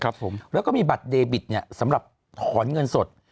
แล้วก็มีบัตรเดบิตสำหรับถอนเงินสด